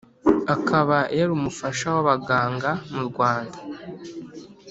akaba yari umufasha w abaganga mu Rwanda